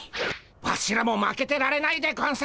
ワシらも負けてられないでゴンス。